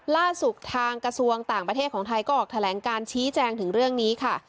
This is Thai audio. ล่าสุดทางกระทรวงต่างประเทศของไทยก็ออกแถลงการชี้แจงถึงเรื่องนี้ค่ะ